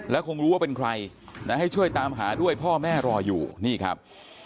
คงรู้ว่าเป็นใครนะให้ช่วยตามหาด้วยพ่อแม่รออยู่นี่ครับ